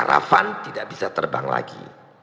karena karavan tidak bisa terbang lagi